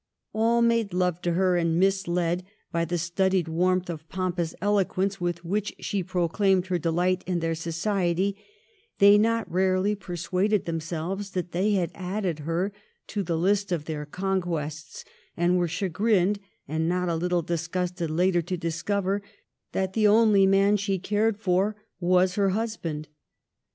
All made love to her, and, misled by the studied warmth of pompous eloquence with which she proclaimed her delight in their society, they not rarely per , suaded themselves that they had added her to the list of their conquests, and were chagrined and not a little disgusted later to discover that the only man she cared for was her husband.